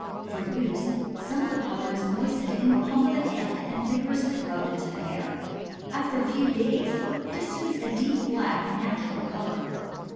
For use, some of the powder is moistened in the palm of the hand and vigorously rubbed into the hair; after a few days it assumes a deep black, natural color.